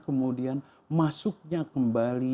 kemudian masuknya kembali